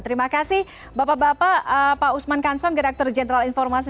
terima kasih bapak bapak pak usman kansom direktur jenderal informasi